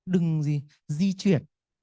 đừng di chuyển